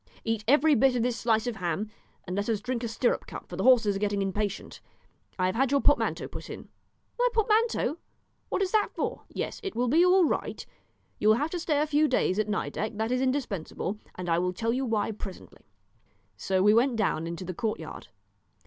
Eat every bit of this slice of ham, and let us drink a stirrup cup, for the horses are getting impatient. I have had your portmanteau put in." "My portmanteau! what is that for?" "Yes, it will be all right; you will have to stay a few days at Nideck, that is indispensable, and I will tell you why presently." So we went down into the courtyard.